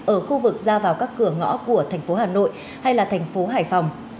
ở khu vực ra vào các cửa ngõ của thành phố hà nội hay là thành phố hải phòng